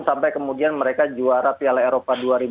sampai kemudian mereka juara piala eropa dua ribu delapan